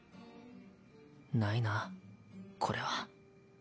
ないなこれは。